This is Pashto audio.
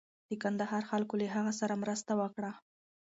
د کندهار خلکو له هغه سره مرسته وکړه.